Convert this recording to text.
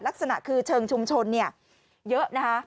ลักษณะคือเชิงชุมชนเยอะนะคะ